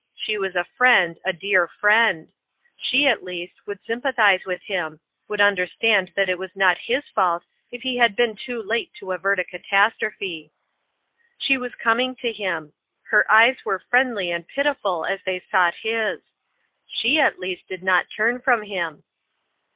She was a friend, a dear friend She, at least, would sympathize with him, would understand that it was not his fault if he had been too late to avert a catastrophe. 148 fEonrmalitTs fime Cheques. She was coming to him. Her eyes were friend ly and pitiful as they sought his. She, at least, did not turn from him